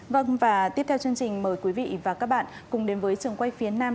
vâng và tiếp theo chương trình mời quý vị và các bạn cùng đến với trường quay phía nam